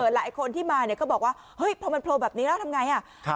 หลายคนที่มาเนี่ยก็บอกว่าเฮ้ยพอมันโผล่แบบนี้แล้วทำไงอ่ะ